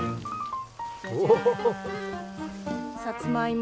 さつまいも！